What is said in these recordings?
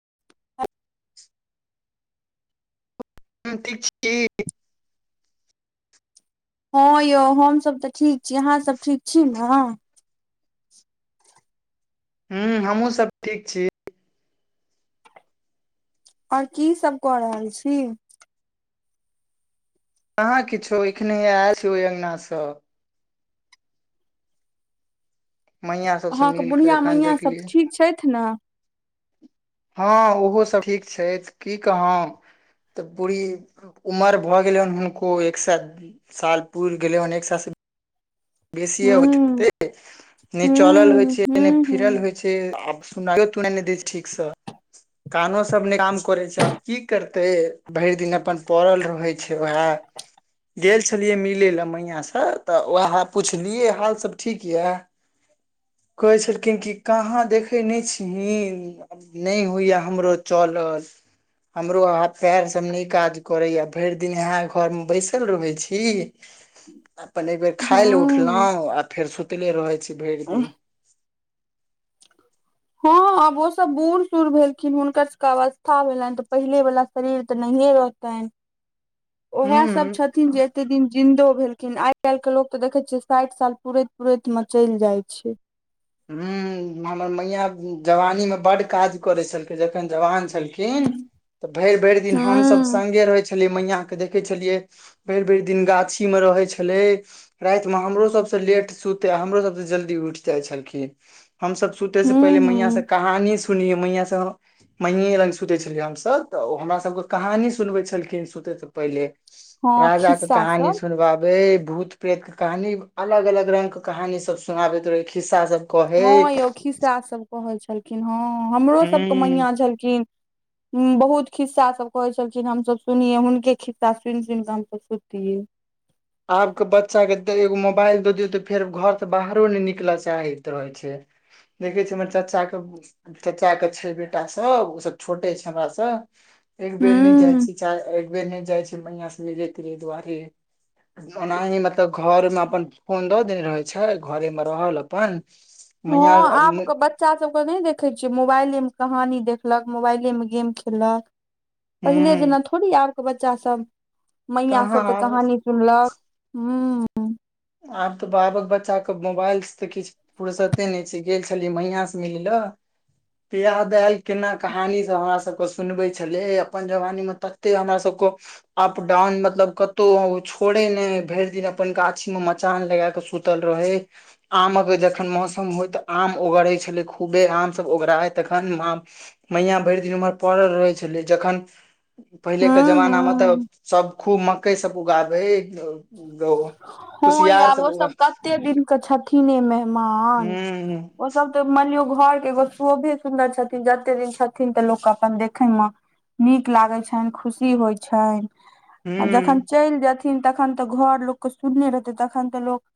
[unintelligible] [inaudible] छी हँ यौ हमसभ तऽ ठीक छी अहाँ सब ठीक छी न ह हमहुँ सब ठीक छी ओर की सब कऽ रहल छी अहाँ किछो एखने आयल छी ओहि अङ्गना स मैया सबसँ अहाँके मिल के बुढ़िया एखन मैया सब देखलियै ठीक छैथ न हँ ओहो सब ठीक छैथ की कहौ तऽ बुरही उमर भए गेलेन हुनको एक साथ साल पूर गेलेन एक साथ बेसीय होए हूँ हेते नै चलल होइ हूँ छै नै हूँ फिरल हूँ होइ छै [inaudible] सुनाए तुनाए नय दे छै ठीकसँ कानो सब ने काम करै छै आब की करते भेर दिन अपन पड़ल रहै छै वएह गेल छलियै मिले लए मैया से तऽ वएह पुछलियै हाल सब ठीक यऽ कहै छलखिन कि कहाँ देखे नइ छीहीन नय होइया हमरो चलल हमरो आब पैर सब नय काज करे या भरि दिन इहा घर मे बैसल रहे छी [inaudible] अपन एकबेर खाय लए उठलहुँ हूँ आ फेर सुतले रहैत छी भेर दिन हँ आब ओ सब बूढ़ सूढ़ भेलखिन हुनकर सबके अवस्था भेलेन तऽ पहिले वला शरीर तऽ नहिए रह तेन [inaudible] उएह सभ हूँ छथि न जे एते दिन जिन्दो भेलखिन आइ काल्ह के लोग त देखे छियै साइठ साल पूरैत पूरैत मे चैल जाय छै हूँ [unintelligible] हमर मैया जवानी मे बड काज करै छलखैन जखन जवान छलखिन तऽ भर भर दिन हमसभ हूँ सङ्गे रहै छलियै मैया के देखै छलियै भेर भेर दिन गाछी मे रहै छलै रात मे हमरो सबसँ लेट सुते हमरो सबसँ जल्दी उठ जाइ छलखिन हमस सुतै से हूँ पहिले मैया हूँ से कहानी सुनिये मैया स मइये लग सुते छलियै हमसभ तऽ ओ हमरा सबके कहानी सुनबै छलखिन सुते से पहिले हँ राजा के खिस्सा सब कहानी सुनबाबे भूत प्रेतके कहानी अलग अलग रंग के कहानी सब सुनाबैत रहै खिस्सा सब कहै हँ यौ खिस्सा सब कहै छलखिन हँ हमरो सबके हूँ मैया छलखिन बहुत खिस्सा सब कहे छलखिन हमस सुनिये हुनके खिस्सा सुइन सुइनकऽ हमस सुतिये आब के बच्चा के एगो मोबाइल दऽ दियौ तऽ फेर घर त बाहरो नय निकलऽ चाहैत रहै छै देखै छी हमर चाचाे क चचा कऽ छै बेटा सब ओसभ छोटे छै हमरा स एक बेर नय जाय हूँ छी च एक बेर नय जाय छी मैया से ले जये दुआरे ओनाही मतलब घर मे अपन फोन दऽ देने रहै छै घरे मे रहल अपन मैया हँ आब बच्च बच्चा सभके नय देखै छियै मोबाइलेमे कहानी देखलक मोबाइले मे गेम खेललक पहिले हूँ जेना थोड़ी आब के बच्चा सब मैया कहाँ सब तऽ आब कहानी सुन लक हू आब तऽ आबक बच्चाके मोबाइल से तऽ किछ फुुरसते नय छै गेल छलियै मईया से मिले लए प्याह दालि केना कहानी सभ हमरासभके सुनबै छलै अपन जमानीमे तते हमरासभके अप डाउन मतलब कतहु ओ छोड़े नय भरि दिन अपन गा गाछी मे मचान लगा कऽ सुतल रहे आमक जखन मौसम होय तऽ आम ओगरै छलै खूबे आमसभ ओगरा हइ तखन आम मैया भरि दिन ओम्हर पड़ल रहै छलै जखन पहिले के हूँ जमाना मे तऽ हूँ सब खूब मकई सब उगाबे ग हँ यै आब ओ सब कते दिन के छथिन मेहमान हूँ ओ सब तऽ मान लियो घर के एगो शोभी सुन्दर छथिन जते दिन छथिन तऽ लोक अपन देखे मे नीक लागै छनि खुशी होइ छनि आ हुँ जखन चैल जेथिन तखन तऽ घर लोकके सुनने रहतै तखन तऽ लोक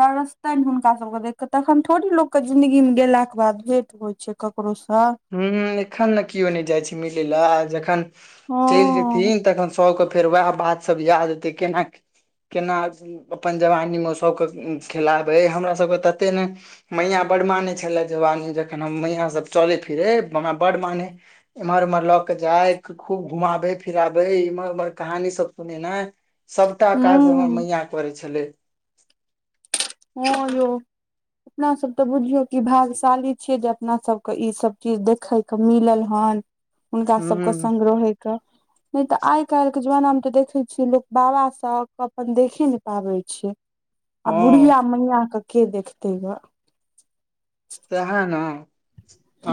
तरसतनि हुनका सब के देख के तखन थोड़े लोको के जिंदगी मे गेलााक के बाद भेंट होइ छै ककरो सँ हुँ एखन ने केओ नय जाइ छै मिलय लए आ जखन हँ चलि जेथिन तखन सबके फेर वएह बात सब याद एतै केना केना अपन जवानीमे सभके खेलाबै हमरासभके तते ने मैयां बड्ड मानै छलै जवानी जखन हम मैयासभ चलै फिरे हमरा बड्ड मानै इम्हर उम्हर ल कऽ जाएक खूब घुमाबेै फिराबेै इम्हर उम्हर कहानी सब सुनेैनाइ सबटा काज हमर हूँ मैयां करै छलै हँ यो अपना सब तऽ बुझियौ कि भागशाली छियै जे अपना सबके ई सब चीज देखेैके मिलल हन हुनका सबके हूँ संग रहैके नय तऽ आइ काएलके जमानामे तऽ देखैत छियै लोक बाबासँ कऽ अपन देखे नय पाबै छै आ बुरिया हँ मैया के के देखतेै ग तेहै न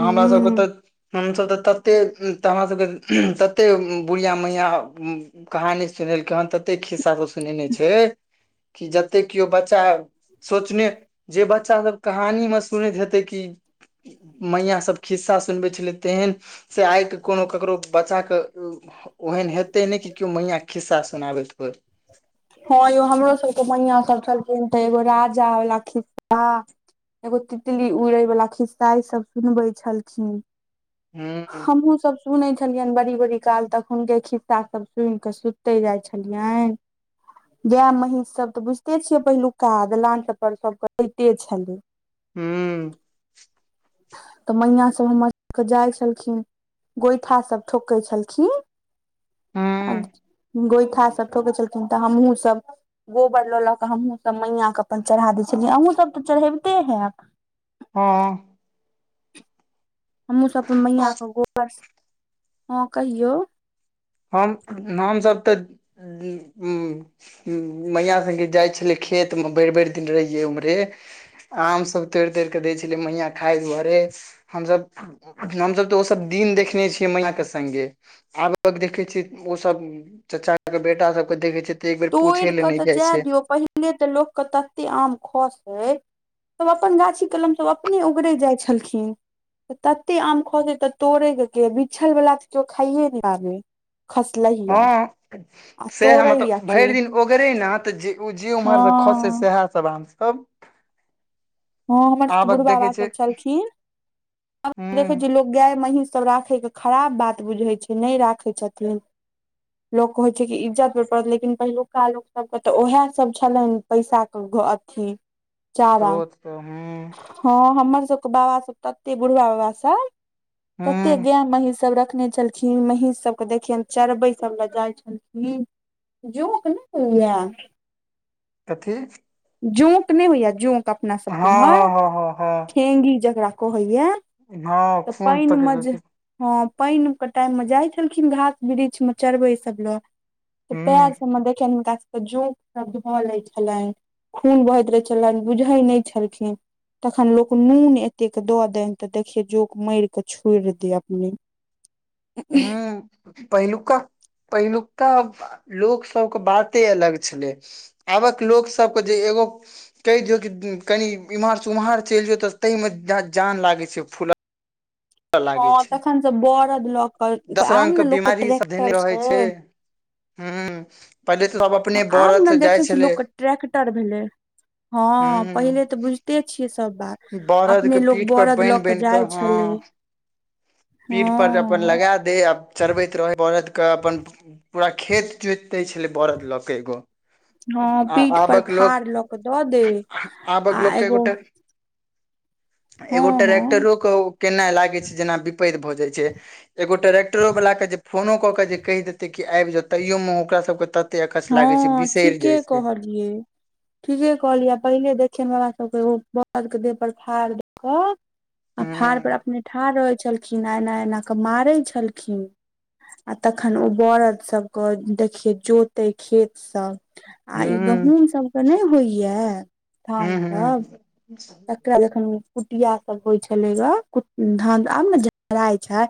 आ हमरा सबके तऽ हमसभ तऽ ततेक तऽ हमरासभके ततेक बुरिहिया मैंया उं कहानी सुनेैलकै हन तते खिस्सा सब सुनेैने छै कि जत्ते किओ बच्चा सोचने जे बच्चा सब कहानी मे सुनैत हेतै कि मैंया सब खिस्सा सुनबे छलै तेहेन से आइके कोनो ककरो बच्चा के ओहेन हेतै नय कि किओ मैया कऽ खिस्सा सुनाबैत होय हँ यौ हमरो सबके मैया सब छलखिन तऽ एगो राजा वला खिस्सा एगो तितली उड़ेै वला खिस्सा ई सब सुनबे छलखिन हुँ हमहुँ सब सुनै छलियन बड़ी बड़ी काल तखुनके खिस्सा सब सुइन कऽ सु तै जाइ छलियैन गे महींष सब तऽ बुझिते छियै पहिलुका दलान पर सब रहिते छलै हुँ तऽ मैंया सब हमर लक जाइ छलखिन गोइठा सब ठोकै छलखिन आ गोइठासभ ठोकै छलखिन तऽ हमहूँसभ गोबर लऽ लऽ कऽ हमहूँसभ मैंया कऽ अपन चरहा दै छलियै अहूँसभ तऽ चरहैबिते हेब हँ हमहुँ सब अपन मैया हँ कऽ गोबर सऽ हँ कहियौ हम हमसब तऽ उं हुँ मैया संगे जाइ छलियै खेतमे भैर भैर दिन रहियै उम्हरे आम सब तोरि-तोरि कऽ दै छलै मैया खाय दुआरे हमसभ हमसब तऽ ओ सब दिन देखने छियै मैंया के संगे आब कऽ देखै छै ओ सब चच्चा कऽ बेटा सब कऽ देखेै छिये तऽ एक बेर तोइड़ पूछे ले कऽ नहि तऽ जाइ जाय दियौ पहिले तऽ लोकके तत्ते आम खसै सब अपन गाछी कलम सब अपने उगरै जाइ छलखिन तत्ते आम खसै तऽ तोड़ेैय के बिछल बला तऽ किओ खाइए नय पाबै खसलै हँ सैहे‌ मतलब के भैरि दिन ओगरे न तऽ जे ओ जे हँ उम्हर खसै सएह सब आम सब हँ हमर सबके आबक बुढ़बा देखै बाबा छै सब छलथिन ह देखे छी गाय महींस सब राखै के खराब बात बुझै छै नय राखै छथिन लोक के होइ छै कि इज्जत पर पड़त लेकिन पहिलुका लोकसभके तऽ उएह सब छलनि पैसा के घ अथी चारा रोज कऽ हुँ हँ हमर सबके बाबा सब तत्ते बुढ़बा बाबा सब ह तत्ते गै महिष सब रखने छलखिन किन महीष सबके देखियैन चरबै सब ल जाइ छलखिन जोंक नय होइय कथी जोंक नय होइये जोंक अपना सब हँ के हँ उम्हर हँ हँ ठेंगी जकरा कहैइये हँ खून पक गेली हँ पानिके टाइममे जाइत छलखिन घास वृक्षमे चरबै सभ लए तऽ प्याज हूँ सब मे देखियनि हिनका सबके जोक सब धऽ लै छलनि खून बहैत रहै छलनि बुझैय नय छलखिन तखन लोक नून एतेक दऽ देनि तऽ देखियै जोंक मार कऽ छोड़ि दे अपने हुँ पहिलुका पहिलुका लोक सबके बाते अलग छलै आबक लोक सबके जे एगो कहि दियौ की कनि इम्हर से उम्हर चलि जो ते तइ मे जान लागे छै फूल हँ तखन सब बरद लऽ क दस आब रंग ने लोक के ट्रैेक्टर छै हुँ हँ आब ने देखै छी लोकके ट्रक्टर भेलै हँ पहिले हूँ तऽ बुझिते छियै सब बात बरद अपने के लोक पीठ पर बड़द लऽ बान्हि बान्हि कऽ जाइ हँ छलै पीठ हँ पर ज अपन लगे आब चरबैत रहै बरद के अपन पूरा खेत जोत दै छले बरद लऽ के एगो हँ आ पीठ पर आबक फाड़ लऽ कऽ दऽ दे लोक आ आबक लोक क एगो कट हँ एगो हँ ट्रेक्टरोे केनाइ लागैत छै जेना विपैत भऽ जाइत छै एगो ट्रेक्टरो वाला के जे फोनो कऽ के जे कहि देते क आबि जाउ तैयो मे ओकरा सबके तऽ कते अकस लागे छै बिसरि जाइ छै हुँ ठीके कहलियै आ पहिले देखियनि हमरा सभके ओ बरद के देह पर फाड़ दऽ कऽ आ हूँ फाड़पर अपने ठाढ़ रहै छलखिन आ एना एना कऽ मारै छलखिन आ तखन ओ बरद सब के देखिये चो ते खेत सब आ हूँ ई गहूँम सबके नहि होइया हूँ धान सब हूँ [inaudible] तकरा जखन कुटिया सभ होइ छलै ग धान आब ने जराइ छै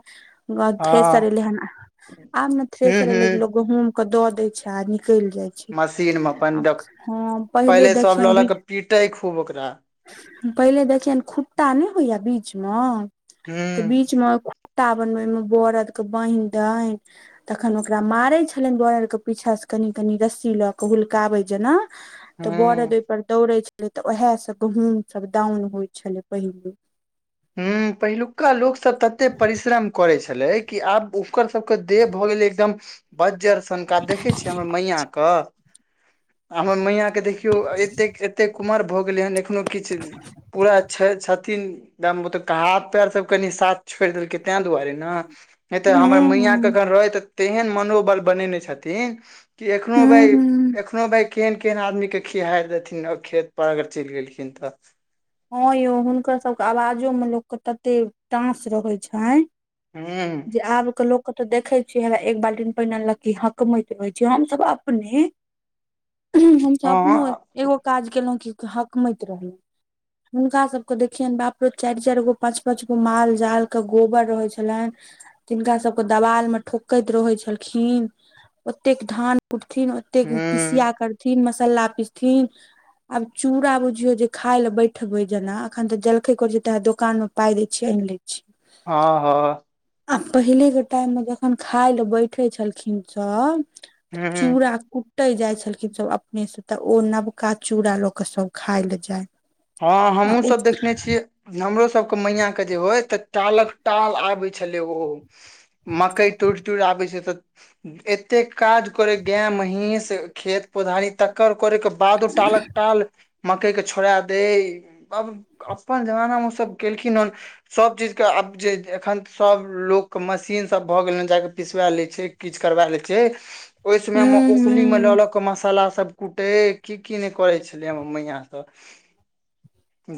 ग थ्रेसर हँ एलै हन आब ने हूँ थ्रेसर हूँ एलै जे लोक गहूम क दऽ दै छै आ निकल जाइ मशीन मे छै अपन हँ पहिले देखियनि बि पिटै खूब ओकरा पहिले देखियनि खुट्टा नहि होइया बीचमे हूँ तऽ बीच मे टावनमे ओइमे बरदके बान्हि दैन तखन ओकरा मारै छलनि दुआाइर के पीछा से कनि कनि रस्सी लऽ के हुलकाबे जेना तऽ हूँ बरद ओहिपर दौड़े छलै तऽ उएह से गहूँम सब दाउन होइ छलै पहिने हुं पहिलुका लोकसभ ततेक परिश्रम करै छलै कि आब ओकर सबके देह भऽ गेलै एकदम बज्जर सनका देखै छियै हमर मैयां क हमर मैयां के देखियौ एतेक एतेक उमर भऽ गेलै हन एखनो किछु पूरा छै छथिन दम ओ तऽ क हाथ पएर सब कनि साथ छोड़ि देलकै तें दुआरे न नहि तऽ हमर मैयां के हूँ अगर रहै तऽ तेहन मनोबल बनेने छथिन कि एखनो भाय हूँ एख हूँ एखनो भाय केहन -केहन आदमी के खिहारि देथिन खेत पर अगर चैल गेलखिन तऽ हं यौ हुनकर सब के आवाजो मे लोक के तते टांस रहै छनि हूं जे आबके लोक कतहु देखै छियै एक बाल्टीन पानि अनलककी हकमैत रहै छी हमसभ अपने [inaudible] हूँ हम त हँ अपनो एगो काज केलौ की हकमैत रहलौं हुनका सबके देखियैन बाप रे चारि चारि गो पाँच -पाँच गो माल -जाल के गोबर रहै छलैन तिनका सबके दवाल मे ठोकैत रहै छ्लखिन ओतेक धान कुटथिन कते हूं पीसिया करथिन मसाला पीसथिन आब चूड़ बुझियौ जे खाय ले बैठ ठबै जेना एखन तऽ जलखै कर छै त दोकान मे पाय देैय छियै आनि लै छियै हं हं आ पहिलेके टाइम मे जखन खाय लए बैठे छलखिन सब चूड़ा हूँ कु कुटै जाय छलखिन सब अपने से त ओ नबका चूड़ा ल के सब खाय ले जाय हं आ हमहुं हुं सब देखने छियै हमरो सबके मैया के जे होय तऽ टालक टाल आबै छलै ओ मकै तोड़ -तोड़ आबै छै तऽ एते काज करेै गेऽ महींस खेत पौधारी तक्कर करेै के बादो टालक- टाल मकैय के छोड़ा देै बब अपन जमाना मे ओ सब केलखिन हन सब चीज के आब जे एखन सब लोक मशीन सब भऽ गेलै हन जा केऽ पिसवा लैय छै किछ करबा लै छैय ओय समय मे ओखलि मे ल हुं -ल क मसाला सब कूटै की -की नै करै छेलै हमर मैयां सब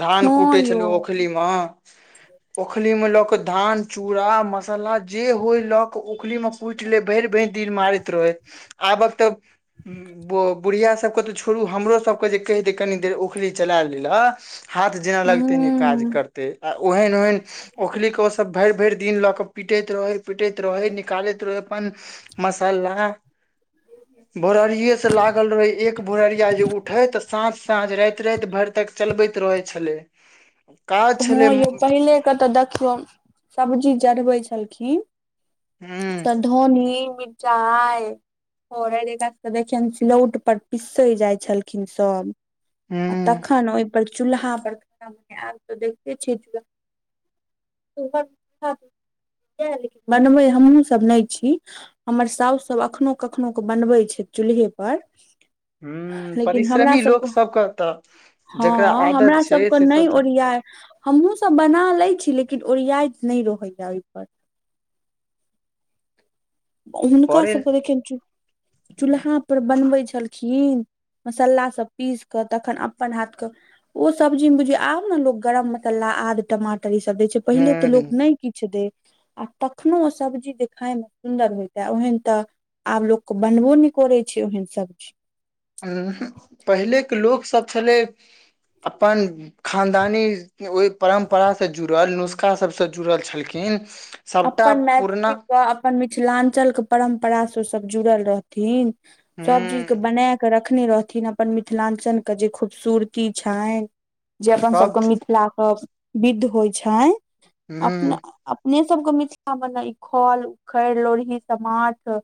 धान हँ कुटेै यौ छेलेै ओखली मे ओखली मे ल क धान चूड़ा मस तलाह जे होय ल क ओखली मे कुटि लै भरि भरि दिन मारैत रहै आबक तऽ ब- बुढ़िया सबके तऽ छोड़ू हमरो सबके जे कैह दै कनी देर ओखली चला बुझलह हाथ जेना लगतेै नेै काज हुं करतेै आ ओहेन -ओहेन ओखलीे के ओसब भैर- भैर दिन ल क पिटैत रहै पिटैत रहै निकालैत रहै अपन मसला भोरहरिये स लागल रहेै एक भोरहरिया जे उठेै त साँझ साँझ रैत- रैत भर तैक चलबैत रहै छलै काज छलै हँ यौ पहिले के तऽ देखियौ सब्जी जढ़बै छेलखिन हूं तऽ धनी मिरचाईय हरैद हिनका सब के देखियैन सिलौट पर पीसै जाइ छेलखिन सब आ हूं तखन ओय पर चूल्हा पर खाना बनाब आब त देखते छियै चूल्हा [unintelligible] बनबै हमहूँ सब नै छी हमर सौउस सब एखनो कखनो क बनबै छैथ चूल्हे पर हूं लेकिन हमरा परिश्रमी सब लोक क सबके तऽ जकरा आदत हमरा छै सबक से नैय सब तऽ ओरियाय हमहुँ सब बना लै छी लेकिन ओरियाइत नैय रहैया ओयपर हुनका करे सब के देखियैन चू चूल्हा पर बनबै छेलखिन मसला सब पीस क तखन अपन हाथ क ओ सब्जी मे बुझियो आब न लोक गरम मसला आद टमाटर इ सब दै छै पहिले तऽ हूं लोक नै किछ देै आ तखनो ओ सब्जी जे खायमे सुन्दर होयता ओहन तऽ आब लोक क बनबो नै करै छै ओहन सब्ज़ी उ हूक पहिले के लोक सब छेलै अपन खानदानी ओय परम्परा से जुड़ल नुस्खा सब से जुड़ल छेलखिन अपन मैथिली क अप अपन मिथिलांचल के परम्परा स ओ सब जुड़ल रहथिन सब हूं चीज के बनाए क रख रखने रहथिन अपन मिथिलांचल के जे खूबसूरती छैन जे अपन सब सबके मिथिला के विध होइ छैन। हूं अपने अपने हम सबके मिथिला मे नै ई खल उखड़ लोढ़ी समाठ